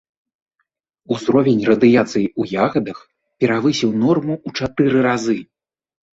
Узровень радыяцыі ў ягадах перавысіў норму ў чатыры разы.